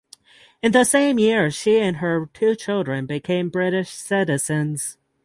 In the same year she and her two children became British citizens.